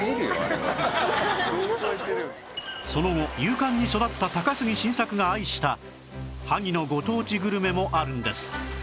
その後勇敢に育った高杉晋作が愛した萩のご当地グルメもあるんです